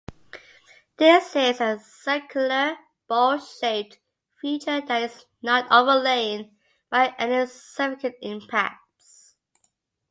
This is a circular, bowl-shaped feature that is not overlain by any significant impacts.